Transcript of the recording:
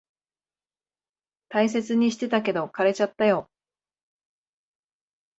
大切にしてたけど、枯れちゃったよ。